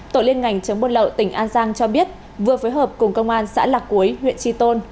tổ liên ngành chống buôn lậu tỉnh an giang cho biết vừa phối hợp cùng công an xã lạc cuối huyện tri tôn